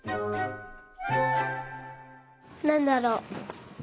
なんだろう？